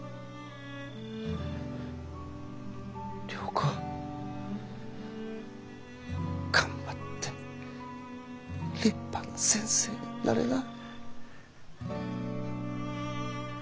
良子頑張って立派な先生になれな。